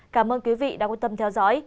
cảm ơn quý vị đã quan tâm theo dõi